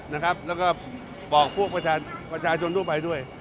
แล้วก็บอกพวกประชาชนทั่วไปด้วย